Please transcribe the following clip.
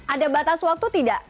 ada batas waktu tidak